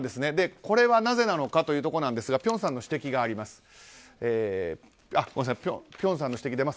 これはなぜなのかというところですが辺さんの指摘があります。